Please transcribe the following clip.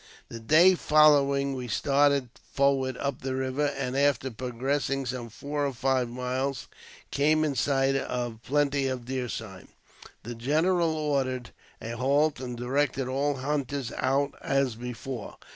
The day following we started forward up the river, and, after progressing some four or five miles, came in sight of plenty of deer sign. The general ordered a halt, and directed all hunters out as before.